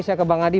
saya ke bang adi